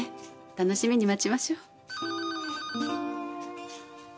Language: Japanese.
楽しみに待ちましょう。